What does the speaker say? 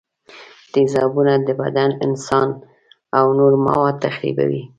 تیزابونه د بدن انساج او نور مواد تخریبوي.